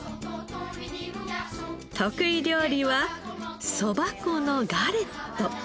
得意料理はそば粉のガレット。